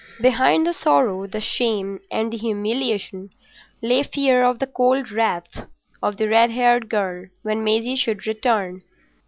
Behind the sorrow, the shame, and the humiliation, lay fear of the cold wrath of the red haired girl when Maisie should return.